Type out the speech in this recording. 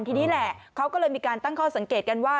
ทีนี้แหละเขาก็เลยมีการตั้งข้อสังเกตกันว่า